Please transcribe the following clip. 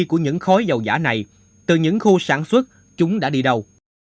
của những khói dầu giả này từ những khu sản xuất chúng đã đi đâu